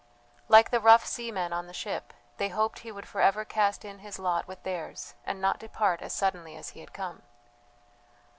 Like the rough seamen on the ship, they hoped he would for ever cast in his lot with theirs and not depart as suddenly as he had come.